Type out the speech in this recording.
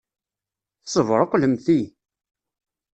Tessebṛuqlemt-iyi!